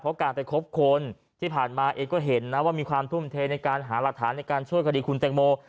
เพราะการไปคบคนที่ผ่านมาเองก็เห็นนะว่ามีความทุ่มเทในการหารักฐานในการช่วยคดีคุณแตงโม